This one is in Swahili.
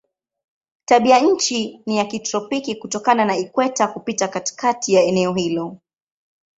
Tabianchi ni ya kitropiki kutokana na ikweta kupita katikati ya eneo hilo.